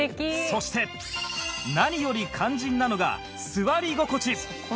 そして何より肝心なのが座り心地